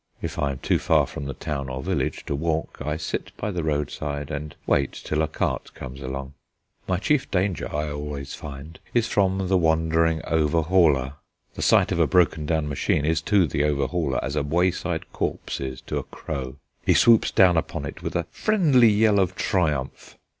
If I am too far from the town or village to walk, I sit by the roadside and wait till a cart comes along. My chief danger, I always find, is from the wandering overhauler. The sight of a broken down machine is to the overhauler as a wayside corpse to a crow; he swoops down upon it with a friendly yell of triumph.